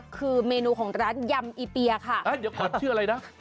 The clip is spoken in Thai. คือเมนูของร้านยำอีเปียค่ะเดี๋ยวขอชื่ออะไรนะ